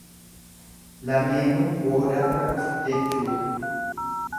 Lameenuu boodarra dhufu jechuudha.